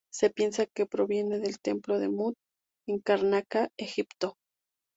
Se piensa que proviene del Templo de Mut en Karnak, Egipto.